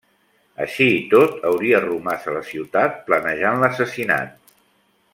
Així i tot, hauria romàs a la ciutat planejant l'assassinat.